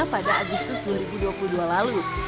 pada agustus dua ribu dua puluh dua lalu